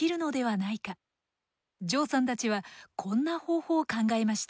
ジョウさんたちはこんな方法を考えました。